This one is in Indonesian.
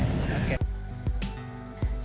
satu mangkok penuh es lendang mayang